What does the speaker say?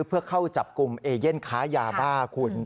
เพื่อเข้าจับกลุ่มเอเย่นค้ายาบ้าคุณ